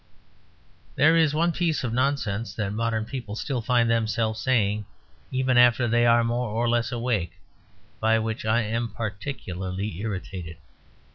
There is one piece of nonsense that modern people still find themselves saying, even after they are more or less awake, by which I am particularly irritated.